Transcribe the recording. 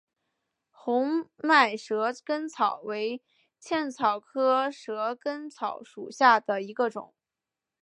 红脉蛇根草为茜草科蛇根草属下的一个种。